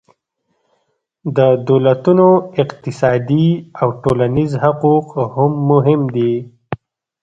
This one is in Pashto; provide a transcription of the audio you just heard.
د دولتونو اقتصادي او ټولنیز حقوق هم مهم دي